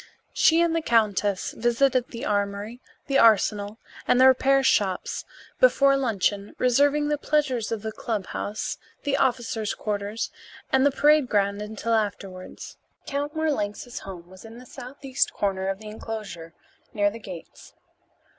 She and the countess visited the armory, the arsenal, and the repair shops before luncheon, reserving the pleasures of the clubhouse, the officers' quarters, and the parade ground until afterwards. Count Marlanx's home was in the southeast corner of the enclosure, near the gates.